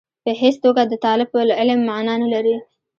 په هېڅ توګه د طالب العلم معنا نه لري.